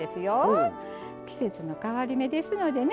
季節の変わり目ですのでね